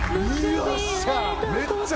よっしゃ。